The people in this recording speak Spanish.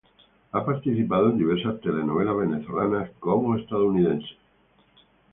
Ha participado en diversas telenovelas venezolanas como estadounidenses.